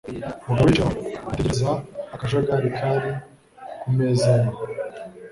Mugabo yicaye aho, yitegereza akajagari kari ku meza ye.